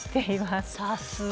さすが。